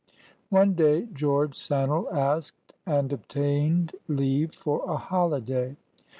ONE day George Sannel asked and obtained leave for a holiday.